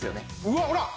うわほら！